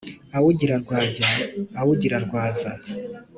Awugira rwajya, awugira rwaza: